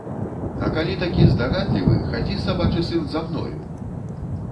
А калі такі здагадлівы, хадзі, сабачы сын, за мною!